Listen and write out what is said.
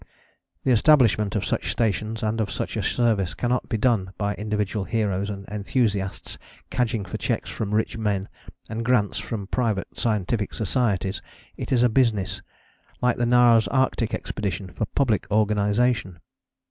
The establishment of such stations and of such a service cannot be done by individual heroes and enthusiasts cadging for cheques from rich men and grants from private scientific societies: it is a business, like the Nares Arctic expedition, for public organization.